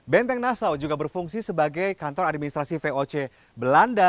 benteng nasau juga berfungsi sebagai kantor administrasi voc belanda